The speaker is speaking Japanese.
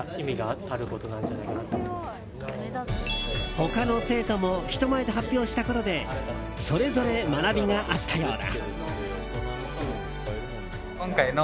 他の生徒も人前で発表したことでそれぞれ学びがあったようだ。